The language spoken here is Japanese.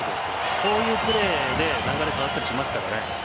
こういうプレーで流れ変わったりしますからね。